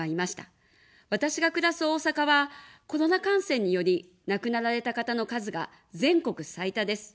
私が暮らす大阪は、コロナ感染により亡くなられた方の数が全国最多です。